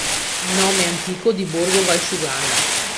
Nome antico di "Borgo Valsugana".